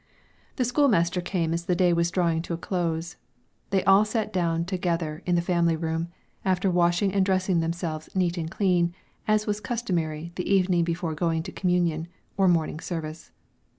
The school master came as the day was drawing to a close. They all sat down together in the family room, after washing and dressing themselves neat and clean, as was customary the evening before going to communion, or morning service.